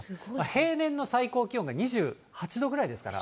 平年の最高気温が２８度ぐらいですから。